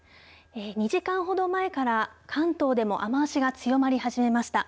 ２時間ほど前から関東でも雨足が強まり始めました。